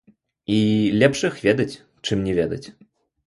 І лепш іх ведаць, чым не ведаць.